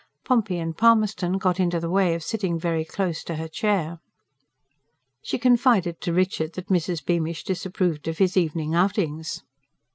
Pompey and Palmerston got into the way of sitting very close to her chair. She confided to Richard that Mrs. Beamish disapproved of his evening outings.